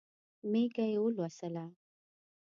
مېږه یې ولوسله.